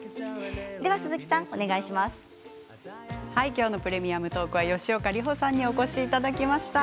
きょうの「プレミアムトーク」は吉岡里帆さんにお越しいただきました。